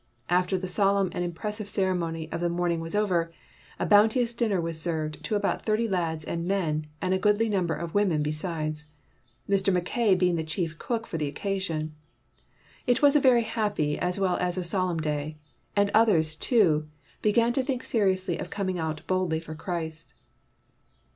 After the solemn and impressive ceremony of the morning was over, a boun teous dinner was served to about thirty lads and men and a goodly number of women be sides, Mr. Mackay being the chief cook for the occasion. It was a very happy as well as a solemn day; and others, too, began to 157 WHITE MAN OF WORK think seriously of coming out boldly for Christ.